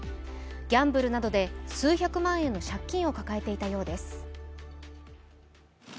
ギャンブルなどで数百万円の借金を抱えていたようです。